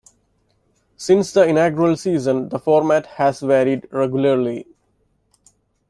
Since the inaugural season, the format has varied regularly.